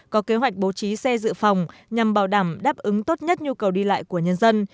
có kế hoạch bố trí xe dự phòng nhằm bảo đảm đáp ứng tốt nhất nhu cầu đi lại của nhân dân